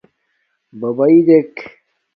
بَبݳئݣ دݵک.